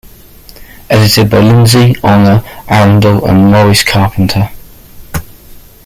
Edited by Lindsay, Honor Arundel and Maurice Carpenter.